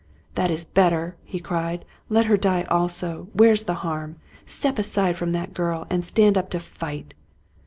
" That is better !" he cried. " Let her die also, where's the harm? Step aside from that girl! and stand up to fight."